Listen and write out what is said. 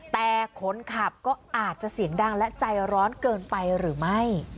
แต่คนขับก็อาจจะเสียงดังและใจร้อนเกินไปหรือไม่